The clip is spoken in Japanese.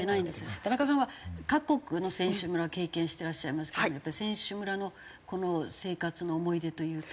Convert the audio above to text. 田中さんは各国の選手村を経験してらっしゃいますけど選手村のこの生活の思い出というと？